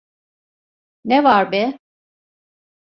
Ne var be?